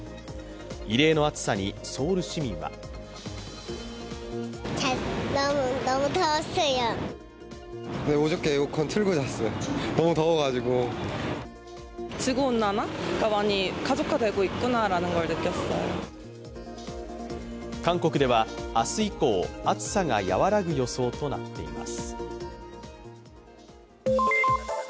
異例の暑さにソウル市民は韓国では明日以降、暑さが和らぐ予想となっています。